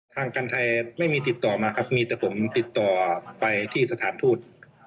ทางการไทยไม่มีติดต่อมาครับมีแต่ผมติดต่อไปที่สถานทูต